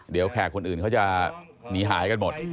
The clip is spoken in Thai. เดี๋ยวแขกคนอื่นเขาจะหนีหายกันหมด